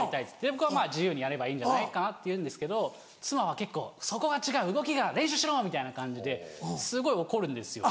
僕は「自由にやればいいんじゃないかな」って言うんですけど妻は結構「そこが違う動きが練習しろ！」みたいな感じですごい怒るんですよ。